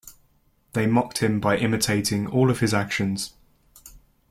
They mocked him by imitating all of his actions.